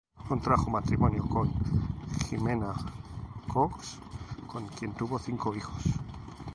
Contrajo matrimonio con Ximena Cox, con quien tuvo cinco hijos.